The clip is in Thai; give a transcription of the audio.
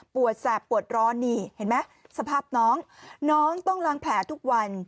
ปวดแสบปวดร้อนสภาพน้องต้องลางแผลทุกวัน